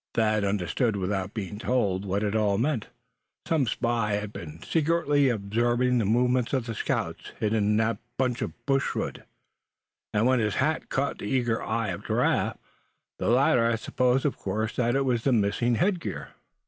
Thad understood without being told, what it all meant. Some spy had been secretly observing the movements of the scouts, hidden in that bunch of brushwood; and when his hat caught the eager eye of Giraffe, the latter had supposed of course that it was the missing head gear.